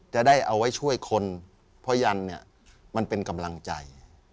จะได้เอาไว้ช่วยคนเพราะยันเนี่ยมันเป็นกำลังใจ